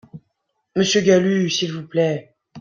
Monsieur Galut, s’il vous plaît.